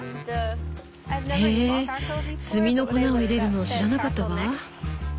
へえ炭の粉を入れるの知らなかったわ。